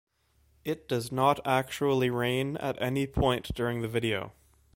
It does not actually rain at any point during the video.